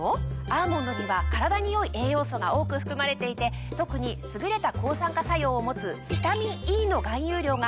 アーモンドには体に良い栄養素が多く含まれていて特に優れた抗酸化作用を持つビタミンＥの含有量が非常に多いんです。